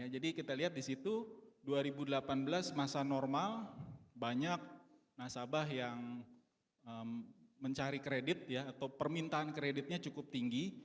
jadi kita lihat disitu dua ribu delapan belas masa normal banyak nasabah yang mencari kredit atau permintaan kreditnya cukup tinggi